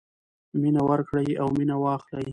مینه ورکړئ او مینه واخلئ.